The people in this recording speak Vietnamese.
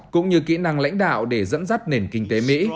cũng như kỹ năng lãnh đạo để dẫn dắt nền kinh tế mỹ